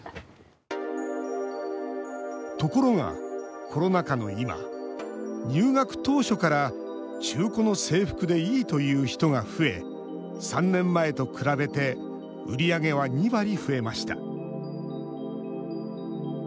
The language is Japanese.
ところが、コロナ禍の今入学当初から中古の制服でいいという人が増え３年前と比べて売り上げは２割増えました。